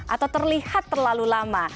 atau terlihat terlalu lama